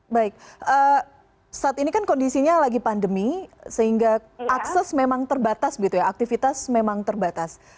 baik saat ini kan kondisinya lagi pandemi sehingga akses memang terbatas begitu ya aktivitas memang terbatas